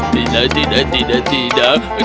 tidak tidak tidak tidak